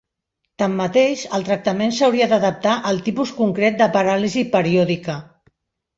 Tanmateix, el tractament s'hauria d'adaptar al tipus concret de paràlisi periòdica.